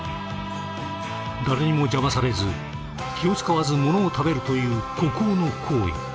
誰にも邪魔されず気を遣わずものを食べるという孤高の行為。